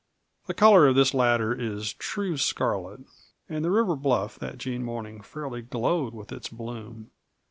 The color of this latter is true scarlet, and the river bluff that June morning fairly glowed with its bloom.